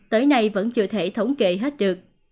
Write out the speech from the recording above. tới nay vẫn chưa thể thống kê hết được